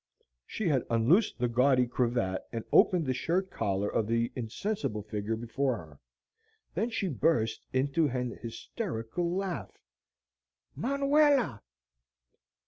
She had unloosed the gaudy cravat and opened the shirt collar of the insensible figure before her. Then she burst into an hysterical laugh. "Manuela!"